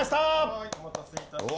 はいお待たせいたしました。